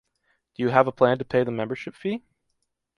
Do you have a plan to pay the membership fee?